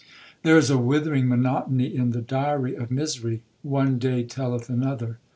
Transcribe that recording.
There is a withering monotony in the diary of misery,—'one day telleth another.'